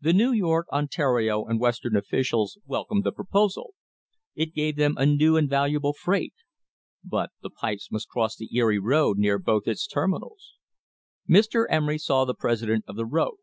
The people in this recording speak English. The New York, Ontario and Western officials wel comed the proposal. It gave them a new and valuable freight. But the pipes must cross the Erie road near both its ter minals. Mr. Emery saw the president of the road.